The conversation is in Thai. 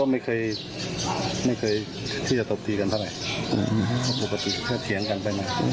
ไม่เคยที่จะตบทีกันเท่าไหร่ปกติเทียงกันไปมาก